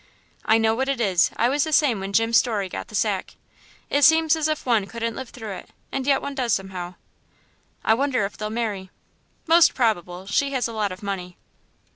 "I know what it is; I was the same when Jim Story got the sack. It seems as if one couldn't live through it, and yet one does somehow." "I wonder if they'll marry." "Most probable. She has a lot of money."